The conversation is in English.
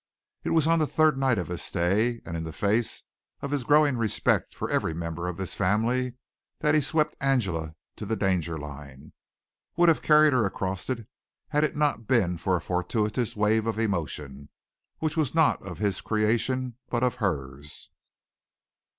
It was on the third night of his stay and in the face of his growing respect for every member of this family, that he swept Angela to the danger line would have carried her across it had it not been for a fortuitous wave of emotion, which was not of his creation, but of hers.